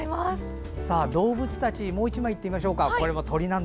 動物たち、もう１枚いきましょう。